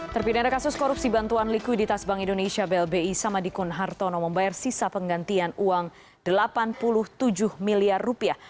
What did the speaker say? terpindah kasus korupsi bantuan liku di tas bank indonesia blbi sama dikun hartono membayar sisa penggantian uang delapan puluh tujuh miliar rupiah